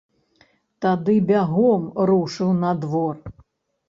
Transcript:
Тады бягом рушыў на двор.